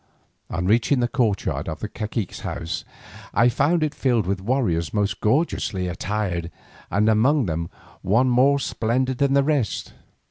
On reaching the courtyard of the cacique's house, I found it filled with warriors most gorgeously attired, and among them one more splendid than the rest.